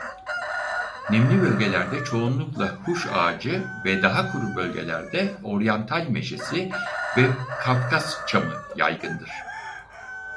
Nemli bölgelerde çoğunlukla huş ağacı ve daha kuru bölgelerde Oryantal meşesi ve Kafkas çamı yaygındır.